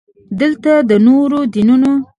دلته د نورو دیني جماعتونو په اړه څه نه وایو.